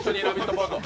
ポーズを。